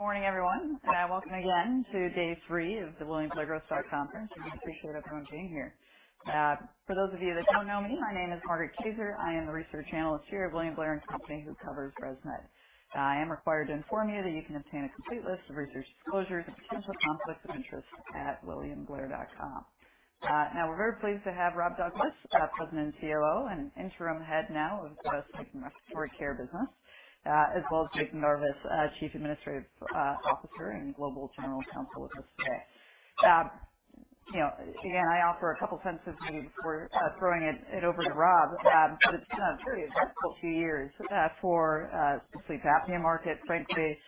Morning everyone, and welcome again to day three of the William Blair Growth Stock Conference. We appreciate everyone being here. For those of you that don't know me, my name is Margaret Kaczor. I am the Research Analyst here at William Blair & Company, who covers ResMed. I am required to inform you that you can obtain a complete list of research disclosures, potential conflicts of interest at williamblair.com. Now we're very pleased to have Rob Douglas, President and COO and Interim Head now of our respiratory care business, as well as David Pendarvis, Chief Administrative Officer and Global General Counsel with us today. You know, again, I offer a couple sentences before throwing it over to Rob. It's been a pretty eventful few years for the sleep apnea market, frankly,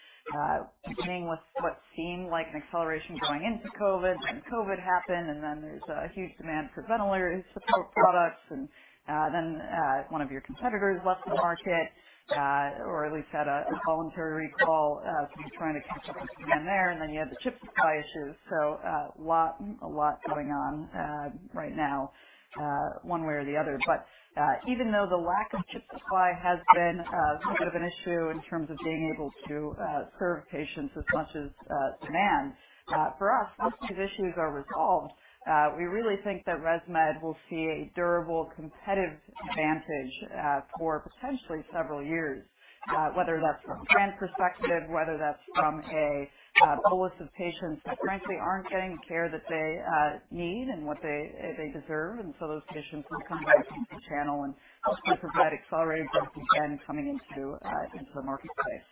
beginning with what seemed like an acceleration going into COVID. Then COVID happened, and then there's a huge demand for ventilator support products. One of your competitors left the market, or at least had a voluntary recall, so you're trying to catch up with them there. You had the chip supply issues. A lot going on right now, one way or the other. Even though the lack of chip supply has been a bit of an issue in terms of being able to serve patients as much as demand. For us, once these issues are resolved, we really think that ResMed will see a durable, competitive advantage for potentially several years. Whether that's from a brand perspective, whether that's from a pool of patients that frankly aren't getting the care that they need and what they deserve. Those patients will come back into the channel, and sleep apnea has accelerated growth again coming into the marketplace.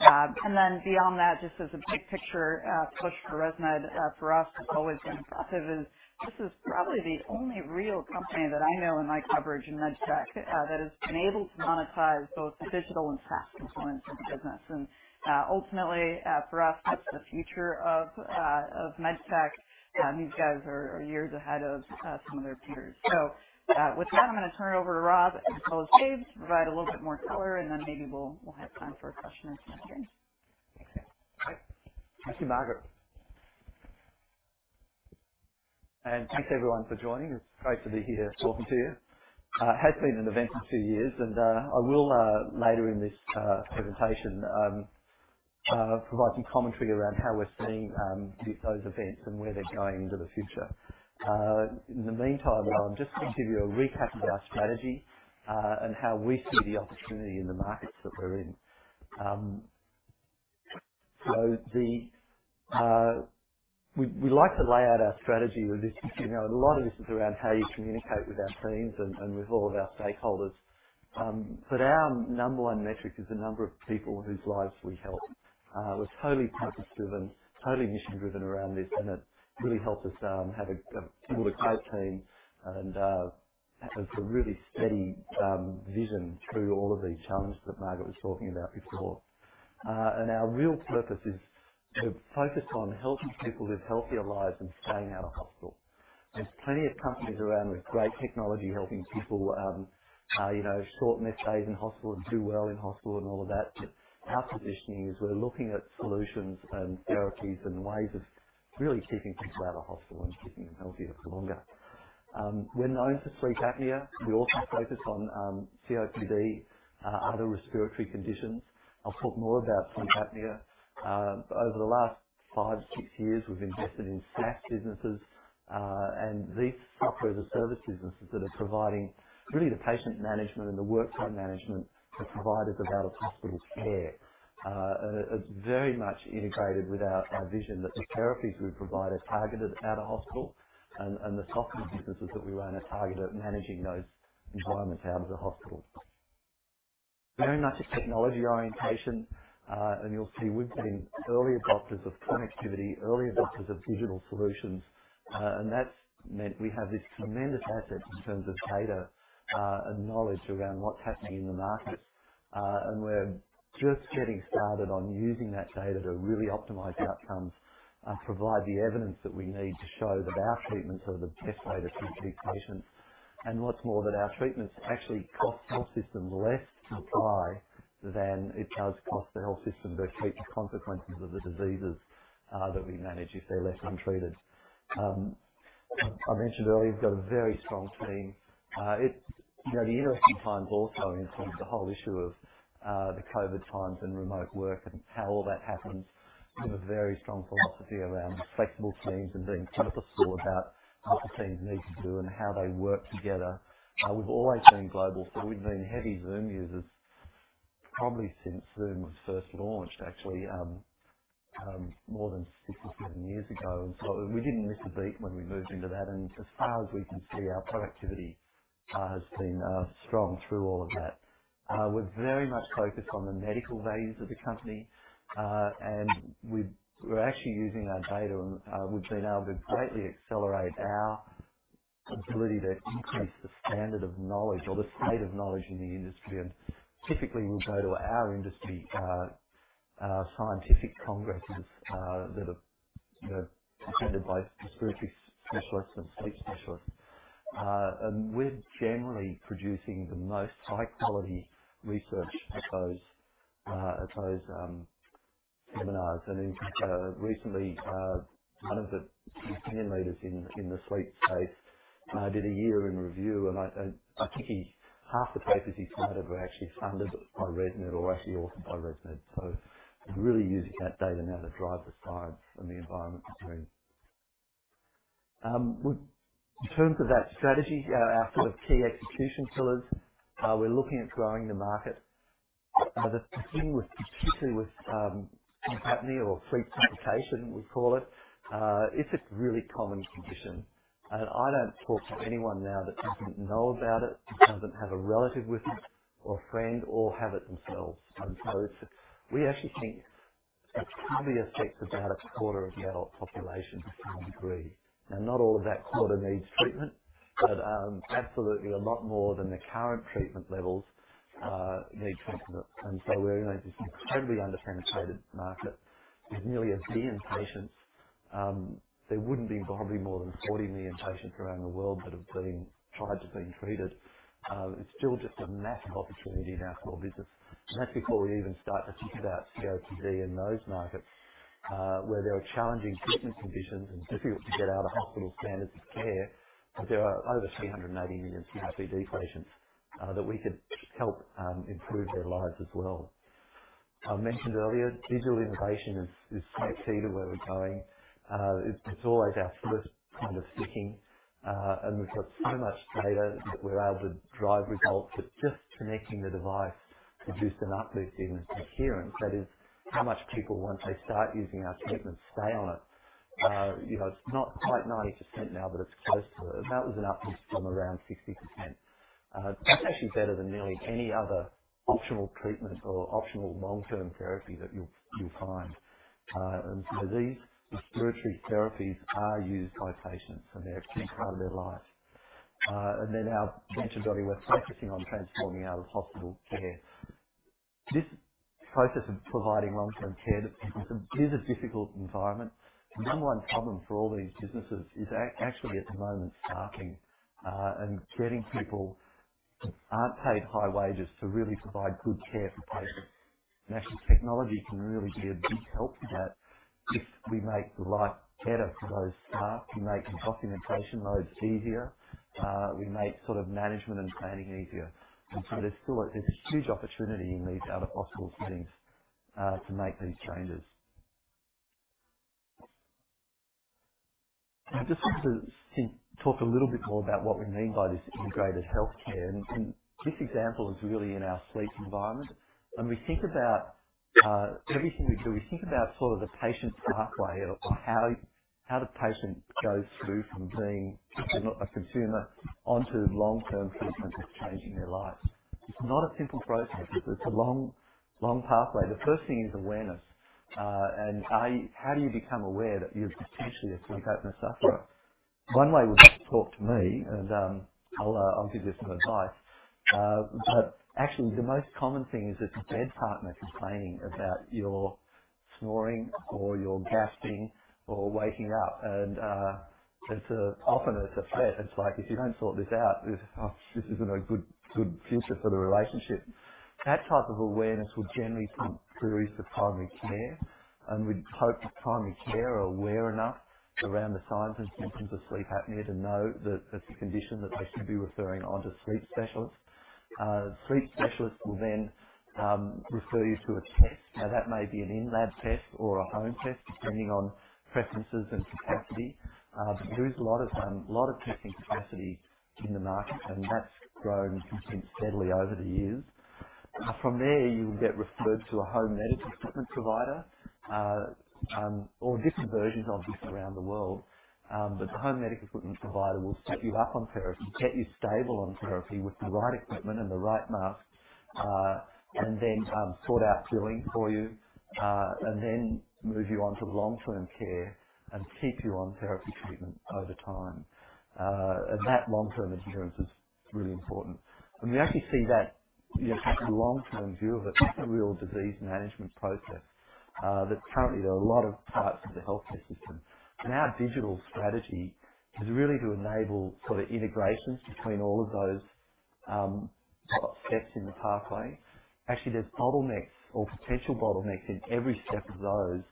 Then beyond that, just as a big picture, push for ResMed, for us, always been positive is this is probably the only real company that I know in my coverage in MedTech, that has been able to monetize both the digital and SaaS components of the business. Ultimately, for us, that's the future of MedTech. You guys are years ahead of some of their peers. With that, I'm gonna turn it over to Rob and Dave to provide a little bit more color, and then maybe we'll have time for a question or two after. Thank you, Margaret. Thanks everyone for joining. It's great to be here talking to you. It has been an event for two years, and I will later in this presentation provide some commentary around how we're seeing those events and where they're going into the future. In the meantime, though, I'll just give you a recap of our strategy and how we see the opportunity in the markets that we're in. We like to lay out our strategy with this. You know, a lot of this is around how you communicate with our teams and with all of our stakeholders. Our number one metric is the number of people whose lives we help. We're totally purpose-driven, totally mission-driven around this, and it really helps us have a similar type team and have a really steady vision through all of the challenges that Margaret was talking about before. Our real purpose is to focus on helping people live healthier lives and staying out of hospital. There's plenty of companies around with great technology helping people, you know, shorten their stays in hospital and do well in hospital and all of that. Our positioning is we're looking at solutions and therapies and ways of really keeping people out of hospital and keeping them healthier for longer. We're known for sleep apnea. We also focus on COPD, other respiratory conditions. I'll talk more about sleep apnea. Over the last five, six years, we've invested in SaaS businesses, and these software as a service businesses that are providing really the patient management and the workflow management to providers of out-of-hospital care. It's very much integrated with our vision that the therapies we provide are targeted at a hospital and the software businesses that we run are targeted at managing those environments out of the hospital. Very much a technology orientation. You'll see we've been early adopters of connectivity, early adopters of digital solutions. That's meant we have this tremendous asset in terms of data, and knowledge around what's happening in the market. We're just getting started on using that data to really optimize outcomes and provide the evidence that we need to show that our treatments are the best way to treat these patients. What's more, that our treatments actually cost health systems less to apply than it does cost the health system to treat the consequences of the diseases that we manage if they're left untreated. I mentioned earlier, we've got a very strong team. It's, you know, the interesting times also in terms of the whole issue of the COVID times and remote work and how all that happens. We have a very strong philosophy around flexible teams and being purposeful about what the teams need to do and how they work together. We've always been global, so we've been heavy Zoom users probably since Zoom was first launched, actually, more than six or seven years ago. We didn't miss a beat when we moved into that. As far as we can see, our productivity has been strong through all of that. We're very much focused on the medical values of the company. We're actually using our data, and we've been able to greatly accelerate our ability to increase the standard of knowledge or the state of knowledge in the industry. Typically, we'll go to our industry scientific congresses that are, you know, attended by respiratory specialists and sleep specialists. We're generally producing the most high quality research at those seminars. Recently, one of the opinion leaders in the sleep space. I did a year in review, and I think half the papers he cited were actually funded by ResMed or actually authored by ResMed. Really using that data now to drive the science and the environment that you're in. In terms of that strategy, our sort of key execution pillars, we're looking at growing the market. The thing with, particularly with, sleep apnea or sleep-disordered breathing we call it's a really common condition, and I don't talk to anyone now that doesn't know about it, doesn't have a relative with it or a friend or have it themselves. We actually think it probably affects about a quarter of the adult population to some degree. Now, not all of that quarter needs treatment, but absolutely a lot more than the current treatment levels need treatment. We're in a just incredibly under-penetrated market with nearly one billion patients. There wouldn't be probably more than 40 million patients around the world that have been tried to being treated. It's still just a massive opportunity in our core business, and that's before we even start to think about COPD in those markets, where there are challenging treatment conditions and difficult to get out-of-hospital standards of care. There are over 380 million COPD patients that we could help improve their lives as well. I mentioned earlier, digital innovation is step two to where we're going. It's always our first sticking point, and we've got so much data that we're able to drive results with just connecting the device to boost an uplift in adherence. That is how much people, once they start using our treatments, stay on it. You know, it's not quite 90% now, but it's close to. That was an uplift from around 60%. That's actually better than nearly any other optional treatment or optional long-term therapy that you'll find. These respiratory therapies are used by patients, and they're a key part of their life. Mentioned already, we're focusing on transforming out-of-hospital care. This process of providing long-term care to people is a difficult environment. The number one problem for all these businesses is actually at the moment staffing, and getting people aren't paid high wages to really provide good care for patients. Actually, technology can really be a big help to that if we make life better for those staff. We make the documentation loads easier. We make sort of management and planning easier. There's huge opportunity in these out-of-hospital settings to make these changes. I just want to talk a little bit more about what we mean by this integrated healthcare. This example is really in our sleep environment. When we think about everything we do, we think about sort of the patient pathway or how the patient goes through from being a consumer onto long-term treatment that's changing their lives. It's not a simple process. It's a long, long pathway. The first thing is awareness. How do you become aware that you're potentially a sleep apnea sufferer? One way would be to talk to me, and I'll give you some advice. Actually, the most common thing is it's a bed partner complaining about your snoring or your gasping or waking up. It's often a threat. It's like, "If you don't sort this out, this isn't a good future for the relationship." That type of awareness will generally come through to primary care, and we'd hope that primary care are aware enough around the signs and symptoms of sleep apnea to know that it's a condition that they should be referring on to sleep specialists. Sleep specialists will then refer you to a test. Now, that may be an in-lab test or a home test, depending on preferences and capacity. There is a lot of testing capacity in the market, and that's grown consistently over the years. From there, you will get referred to a home medical equipment provider, or different versions of this around the world. The home medical equipment provider will set you up on therapy, get you stable on therapy with the right equipment and the right mask, and then sort out billing for you, and then move you on to long-term care and keep you on therapy treatment over time. That long-term adherence is really important. We actually see that, you know, take a long-term view of it's a real disease management process that currently there are a lot of parts of the healthcare system. Our digital strategy is really to enable sort of integrations between all of those sort of steps in the pathway. Actually, there's bottlenecks or potential bottlenecks in every step of those.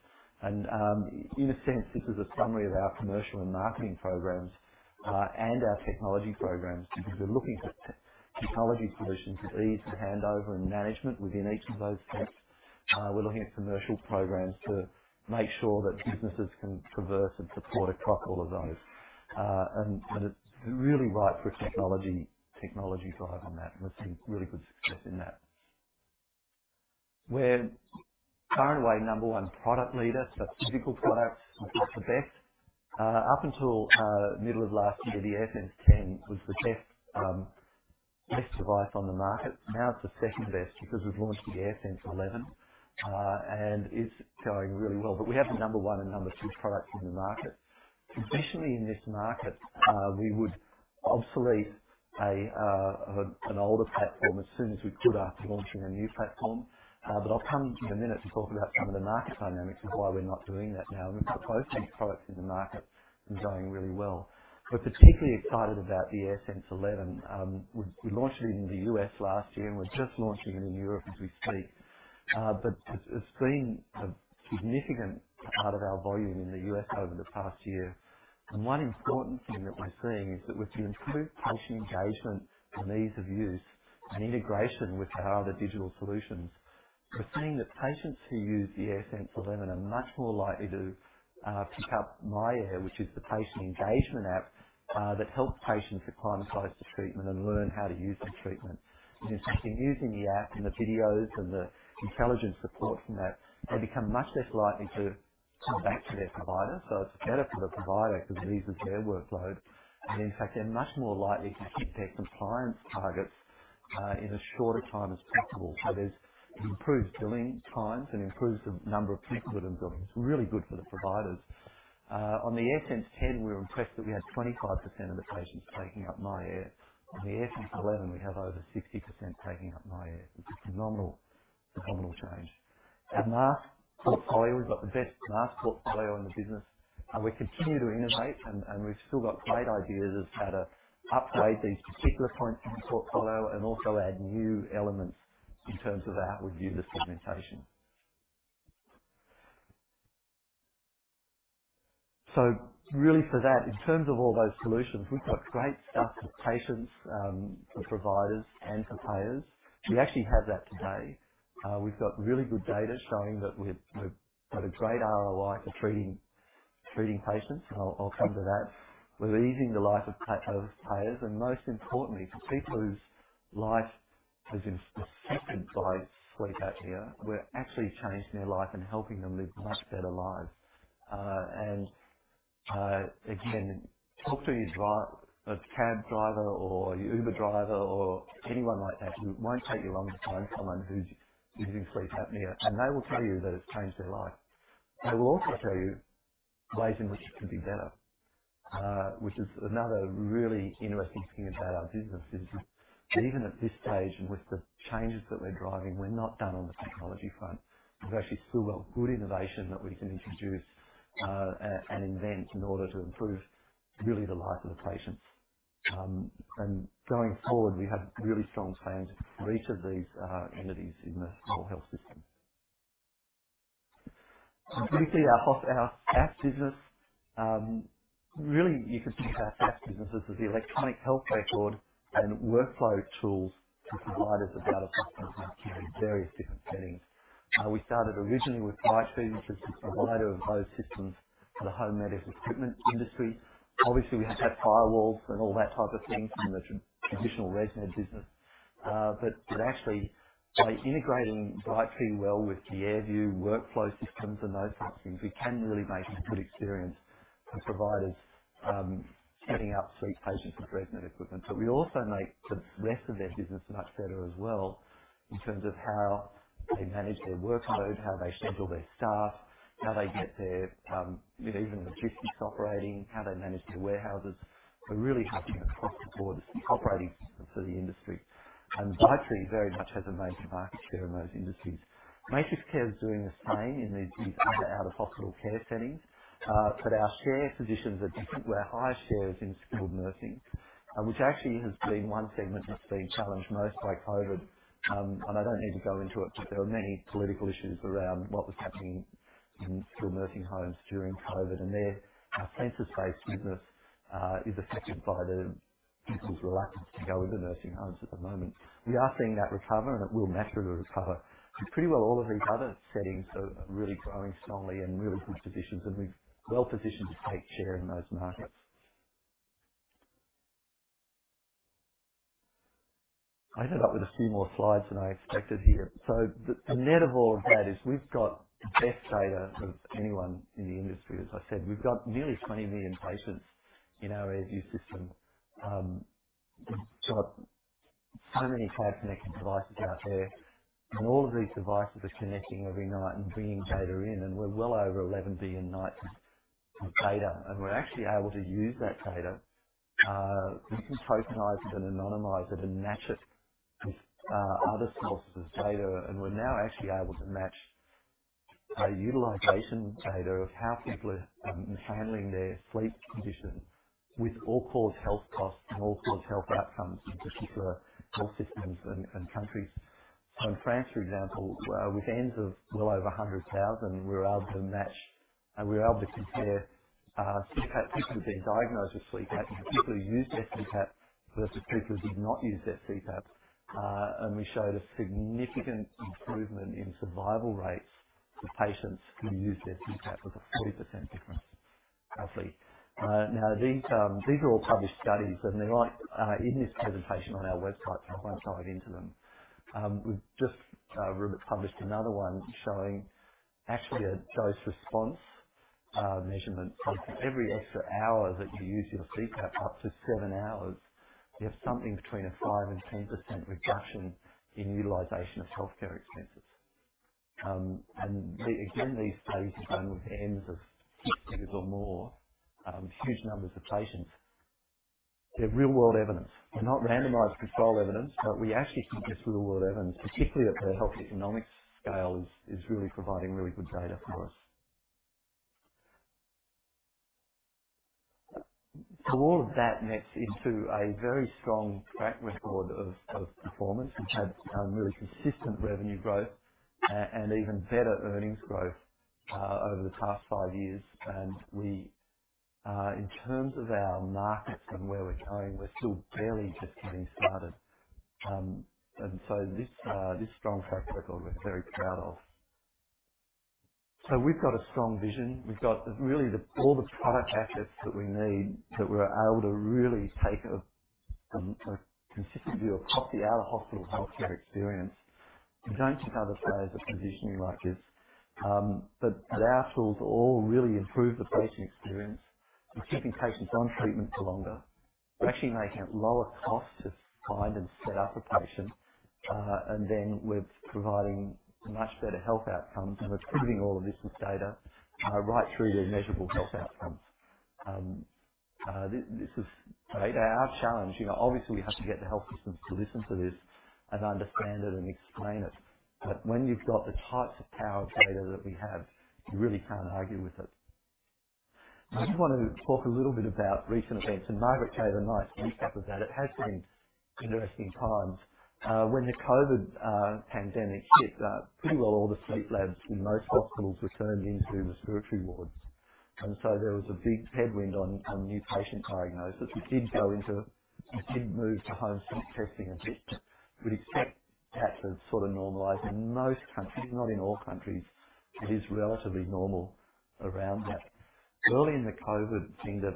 In a sense, this is a summary of our commercial and marketing programs and our technology programs, because we're looking for technology solutions that aid the handover and management within each of those steps. We're looking at commercial programs to make sure that businesses can traverse and support across all of those. It's really right for a technology drive on that, and we've seen really good success in that. We're far and away number one product leader, so physical products, we've got the best. Up until middle of last year, the AirSense 10 was the best device on the market. Now it's the second best because we've launched the AirSense 11, and it's going really well. We have the number one and number two products in the market. Traditionally in this market, we would obsolete an older platform as soon as we could after launching a new platform. I'll come in a minute to talk about some of the market dynamics and why we're not doing that now. We've got both these products in the market and going really well. We're particularly excited about the AirSense 11. We launched it in the US last year, and we're just launching it in Europe as we speak. It's been a significant part of our volume in the US over the past year. One important thing that we're seeing is that with the improved patient engagement and ease of use and integration with our other digital solutions, we're seeing that patients who use the AirSense 11 are much more likely to pick up myAir, which is the patient engagement app that helps patients acclimatize to treatment and learn how to use the treatment. In fact, in using the app and the videos and the intelligent support from that, they become much less likely to come back to their provider. It's better for the provider because it eases their workload. In fact, they're much more likely to hit their compliance targets in the shortest time possible. It improves billing times and improves the number of people that are billing. It's really good for the providers. On the AirSense 10, we were impressed that we had 25% of the patients taking up myAir. On the AirSense 11, we have over 60% taking up myAir, which is a phenomenal change. Our mask portfolio, we've got the best mask portfolio in the business. We continue to innovate and we've still got great ideas of how to upgrade these particular points in the portfolio and also add new elements in terms of how we view the segmentation. Really for that, in terms of all those solutions, we've got great stuff for patients, for providers and for payers. We actually have that today. We've got really good data showing that we've got a great ROI for treating patients. I'll come to that. We're easing the life of payers and most importantly, for people whose life has been affected by sleep apnea, we're actually changing their life and helping them live much better lives. Again, talk to your cab driver or your Uber driver or anyone like that who won't take you on if you tell them someone who's using sleep apnea, and they will tell you that it's changed their life. They will also tell you ways in which it can be better, which is another really interesting thing about our business is that even at this stage and with the changes that we're driving, we're not done on the technology front. We've actually still got good innovation that we can introduce and invent in order to improve really the life of the patients. Going forward, we have really strong plans for each of these entities in the whole health system. Quickly off our apps business. Really you could think of our apps business as the electronic health record and workflow tools to providers of medical equipment in various different settings. We started originally with Brightree, which is a provider of those systems for the home medical equipment industry. Obviously, we have to have firewalls and all that type of thing from the traditional ResMed business. Actually by integrating Brightree well with the AirView workflow systems and those types of things, we can really make a good experience for providers setting up sleep patients with ResMed equipment. We also make the rest of their business much better as well in terms of how they manage their workload, how they schedule their staff, how they get their, you know, even logistics operating, how they manage their warehouses. We're really helping across the board operating for the industry. Brightree very much has a major market share in those industries. MatrixCare is doing the same in out-of-hospital care settings. Our share positions are different. We have higher shares in skilled nursing, which actually has been one segment that's been challenged most by COVID. I don't need to go into it, but there were many political issues around what was happening in skilled nursing homes during COVID. There our census-based business is affected by the people's reluctance to go into nursing homes at the moment. We are seeing that recover, and it will naturally recover. Pretty well all of these other settings are really growing strongly and really good positions, and we're well positioned to take share in those markets. I ended up with a few more slides than I expected here. The net of all of that is we've got the best data of anyone in the industry. As I said, we've got nearly 20 million patients in our AirView system. We've got so many cloud-connected devices out there, and all of these devices are connecting every night and bringing data in, and we're well over 11 billion nights of data. We're actually able to use that data, we can tokenize it and anonymize it and match it with other sources of data. We're now actually able to match utilization data of how people are handling their sleep condition with all-cause health costs and all-cause health outcomes in particular health systems and countries. In France, for example, with N's of well over 100,000, we were able to compare people who've been diagnosed with sleep apnea, people who use their CPAP versus people who did not use their CPAP. We showed a significant improvement in survival rates for patients who use their CPAP with a 40% difference roughly. Now these are all published studies, and they're like in this presentation on our website, so I won't dive into them. We've just recently published another one showing actually a dose-response measurement. For every extra hour that you use your CPAP up to seven hours, you have something between 5% and 10% reduction in utilization of healthcare expenses. Again, these studies are done with N's of six figures or more, huge numbers of patients. They're real world evidence. They're not randomized controlled evidence, but we actually think this real world evidence, particularly at the health economics scale, is really providing really good data for us. All of that nets into a very strong track record of performance. We've had really consistent revenue growth, and even better earnings growth, over the past five years. We, in terms of our markets and where we're going, we're still barely just getting started. This strong track record we're very proud of. We've got a strong vision. We've got all the product assets that we need, that we're able to really take a consistent view of our hospital healthcare experience. You don't see other players that position you like this. Our tools all really improve the patient experience. We're keeping patients on treatment for longer. We're actually making it lower cost to find and set up a patient. And then we're providing much better health outcomes, and we're keeping all of this as data right through to measurable health outcomes. This is our challenge, you know, obviously we have to get the health systems to listen to this and understand it and explain it. When you've got the types of power of data that we have, you really can't argue with it. I just want to talk a little bit about recent events, and Margaret gave a nice recap of that. It has been interesting times. When the COVID pandemic hit, pretty well all the sleep labs in most hospitals were turned into respiratory wards. There was a big headwind on new patient diagnosis. We did move to home sleep testing a bit, but that has sort of normalized. In most countries, not in all countries, it is relatively normal around that. Early in the COVID kind of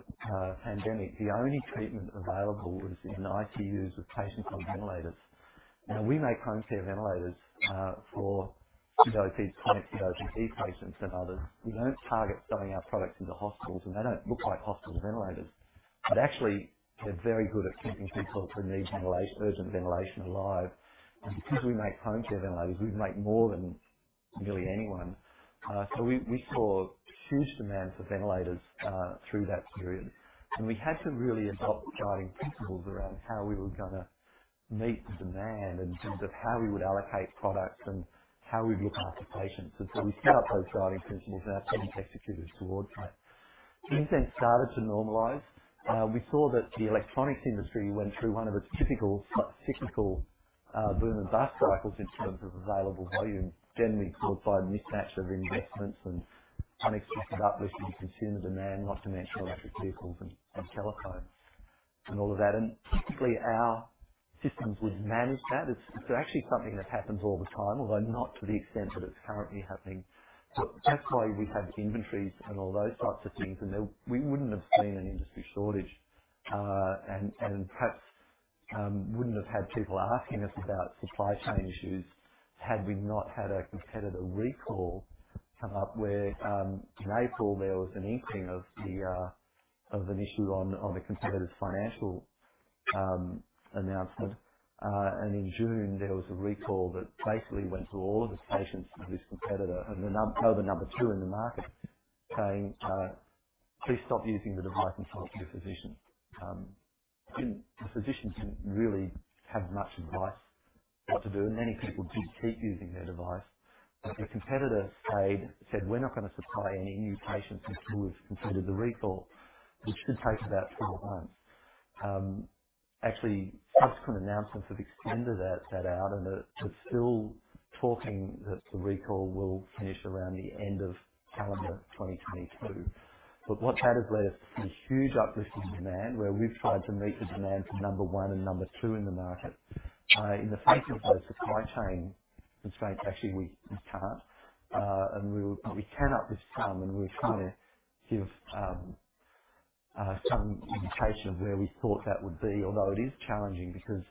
pandemic, the only treatment available was in ICUs with patients on ventilators. Now, we make home care ventilators for COPD, chronic COPD patients and others. We don't target selling our products into hospitals, and they don't look like hospital ventilators, but actually they're very good at keeping people that need ventilation, urgent ventilation alive. Because we make home care ventilators, we make more than nearly anyone. We saw huge demand for ventilators through that period. We had to really adopt guiding principles around how we were gonna meet the demand in terms of how we would allocate products and how we'd look after patients. We set up those guiding principles, and our team executed towards that. Things started to normalize. We saw that the electronics industry went through one of its typical, cyclical, boom and bust cycles in terms of available volume, generally caused by a mismatch of investments and unexpected uplifts in consumer demand, not to mention electric vehicles and telephones and all of that. Typically our systems would manage that. It's actually something that happens all the time, although not to the extent that it's currently happening. That's why we have inventories and all those types of things. We wouldn't have seen an industry shortage, and perhaps wouldn't have had people asking us about supply chain issues had we not had a competitor recall come up where, in April there was an inkling of an issue on the competitor's financial announcement. In June, there was a recall that basically went to all of the patients of this competitor and they were the number two in the market, saying, "Please stop using the device and talk to your physician." The physicians didn't really have much advice what to do, and many people did keep using their device. The competitor said, "We're not gonna supply any new patients until we've completed the recall, which should take about four months." Actually, subsequent announcements have extended that out, and they're still talking that the recall will finish around the end of calendar 2022. What that has led us is huge uplift in demand, where we've tried to meet the demand for number one and number two in the market. In the face of those supply chain constraints, actually, we can't. We will, but we can up to some, and we've tried to give some indication of where we thought that would be. Although it is challenging because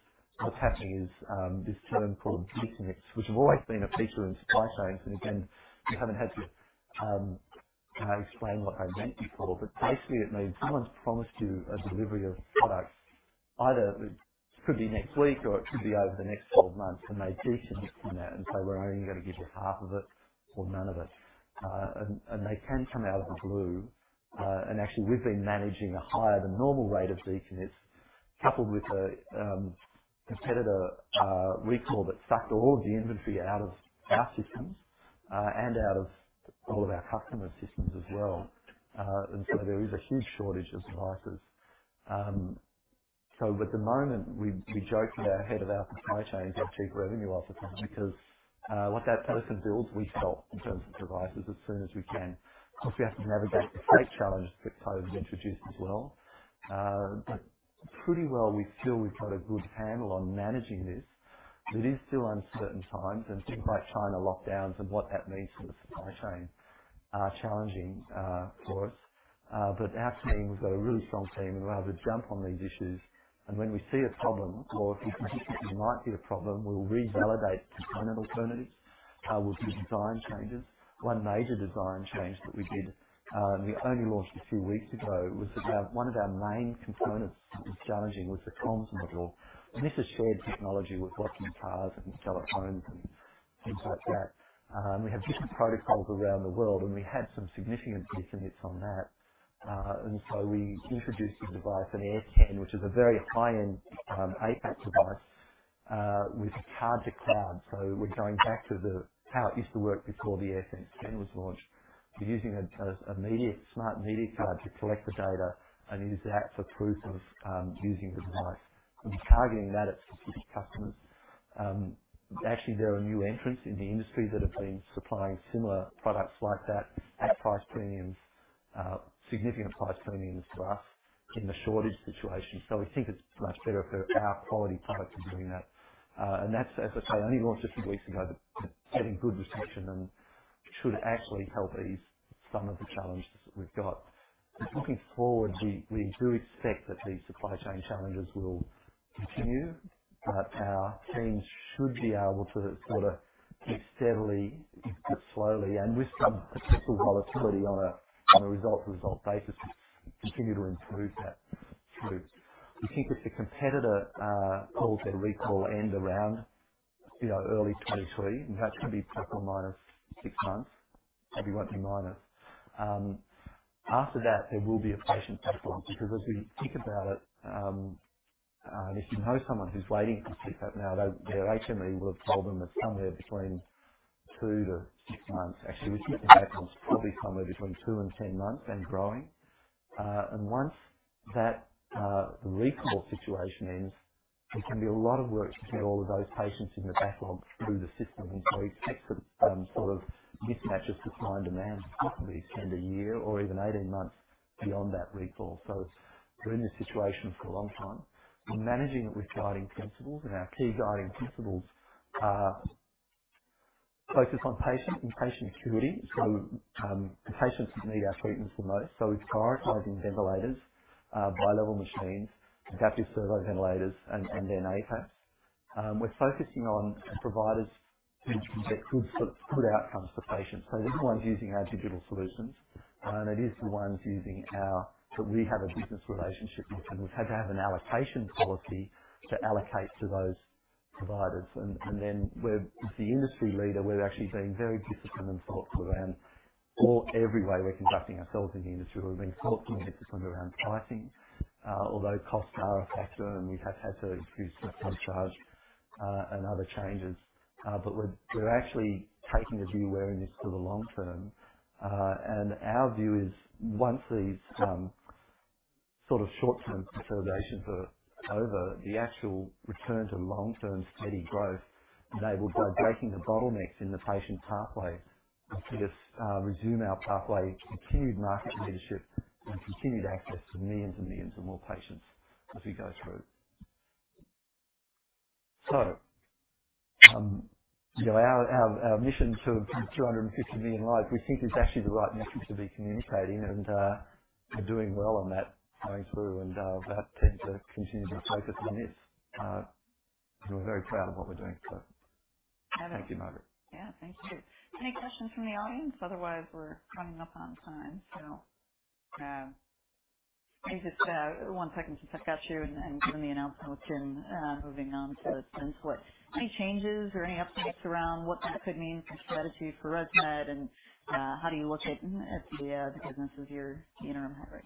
what's happening is this term called decommit, which has always been a feature in supply chains. Again, we haven't had to explain what they meant before, but basically it means someone's promised you a delivery of product, either it could be next week or it could be over the next 12 months, and they decommit from that and say, "We're only gonna give you half of it or none of it." They can come out of the blue. Actually we've been managing a higher than normal rate of decommit coupled with a competitor recall that sucked all of the inventory out of our systems and out of all of our customers' systems as well. There is a huge shortage of devices. At the moment, we joke with our head of our supply chain is our Chief Revenue Officer because what that person builds, we sell in terms of devices as soon as we can. Of course, we have to navigate the freight challenge that COVID introduced as well. Pretty well, we feel we've got a good handle on managing this. It is still uncertain times, and things like China lockdowns and what that means for the supply chain are challenging for us. Our team, we've got a really strong team, and we're able to jump on these issues. When we see a problem or if we think it might be a problem, we'll revalidate component alternatives. We'll do design changes. One major design change that we did, and we only launched a few weeks ago, was about one of our main components that was challenging was the comms module. This is shared technology with what's in cars and telephones and things like that. We have different protocols around the world, and we had some significant decommits on that. We introduced a device, an AirSense 10, which is a very high-end APAP device with Card-to-Cloud. We're going back to how it used to work before the AirSense 10 was launched. We're using a SD card to collect the data and use that for proof of using the device. We're targeting that at specific customers. Actually, there are new entrants in the industry that have been supplying similar products like that at price premiums, significant price premiums to us in the shortage situation. We think it's much better for our quality product in doing that. That's, as I say, only launched a few weeks ago, but getting good reception and should actually help ease some of the challenges that we've got. Looking forward, we do expect that these supply chain challenges will continue, but our teams should be able to sort of steadily but slowly and with some potential volatility on a result to result basis, continue to improve that through. We think that the competitor calls their recall end around, you know, early 2023. In fact, it's gonna be ±6 months, probably wanting minus. After that, there will be a patient backlog because as we think about it, if you know someone who's waiting for sleep apnea, their HME will have told them that somewhere between two-six months. Actually, we think the backlog's probably somewhere between two and 10 months and growing. Once that recall situation ends, there can be a lot of work to get all of those patients in the backlog through the system. We expect the sort of mismatches, supply and demand, to possibly extend a year or even 18 months beyond that recall. It's. We're in this situation for a long time. We're managing it with guiding principles, and our key guiding principles are focus on patient and patient acuity. The patients who need our treatments the most. We've prioritizing ventilators, bi-level machines, adaptive servo ventilators and then APAP. We're focusing on providers who can get good sort of good outcomes for patients. It is the ones using our digital solutions. We have a business relationship with, and we've had to have an allocation policy to allocate to those providers. As the industry leader, we're actually being very disciplined in talks around every way we're conducting ourselves in the industry. We're being thoughtful and disciplined around pricing, although costs are a factor, and we have had to increase our charge, and other changes. We're actually taking a view with an eye to the long term. Our view is once these sort of short-term considerations are over, the actual return to long-term steady growth enabled by breaking the bottlenecks in the patient pathways, we could resume our pathway to continued market leadership and continued access to millions and millions of more patients as we go through. You know, our mission to 250 million lives, we think is actually the right message to be communicating and we're doing well on that going through. That tends to continue to be a focus for Mick. We're very proud of what we're doing. Thank you, Margaret. Yeah. Thank you. Any questions from the audience? Otherwise, we're coming up on time. Maybe just one second since I've got you and given the announcement in moving on to Verily. Any changes or any updates around what that could mean from a strategy for ResMed and how do you look at FDA because this is your interim right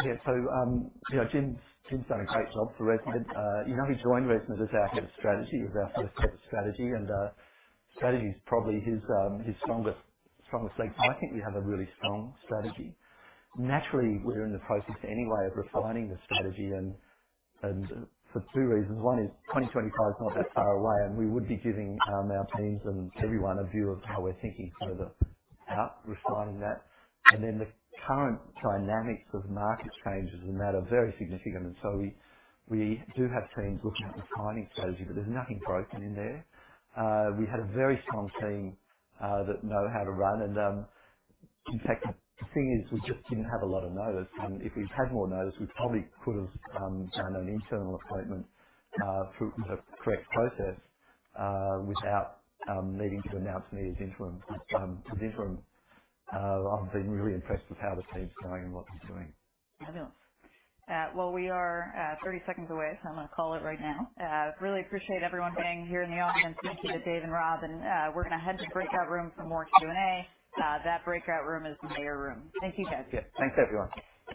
now? You know, Jim's done a great job for ResMed. You know, he joined ResMed as our Head of Strategy, as our first head of strategy. Strategy is probably his strongest link. I think we have a really strong strategy. Naturally, we're in the process anyway of refining the strategy and for two reasons. One is 2025 is not that far away, and we would be giving our teams and everyone a view of how we're thinking sort of out refining that. The current dynamics of market changes are very significant. We do have teams looking at refining strategy, but there's nothing broken in there. We had a very strong team that know how to run. In fact, the thing is we just didn't have a lot of notice. If we'd had more notice, we probably could have found an internal appointment through the correct process without needing to announce me as interim. I've been really impressed with how the team's going and what they're doing. Fabulous. Well, we are 30 seconds away, so I'm gonna call it right now. Really appreciate everyone being here in the audience. Thank you to Dave and Rob. We're gonna head to breakout room for more Q&A. That breakout room is your room. Thank you, guys. Yeah. Thanks, everyone.